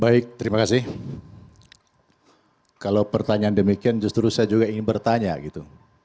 baik terima kasih kalau pertanyaan demikian justru saya juga ingin bertanya gitu